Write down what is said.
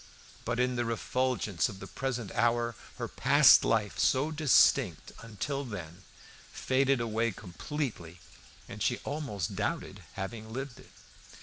But in the refulgence of the present hour her past life, so distinct until then, faded away completely, and she almost doubted having lived it.